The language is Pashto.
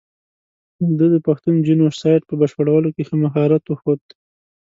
ده د پښتون جینو سایډ په بشپړولو کې ښه مهارت وښود.